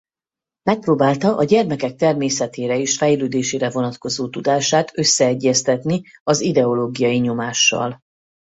Megpróbálta a gyermekek természetére és fejlődésére vonatkozó tudását összeegyeztetni az ideológiai nyomással.